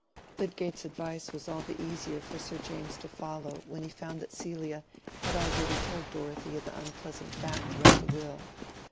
Lydgate's advice was all the easier for Sir James to follow when he found that Celia had already told Dorothea the unpleasant fact about the will.